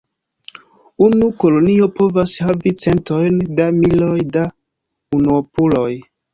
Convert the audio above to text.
Unu kolonio povas havi centojn da miloj da unuopuloj.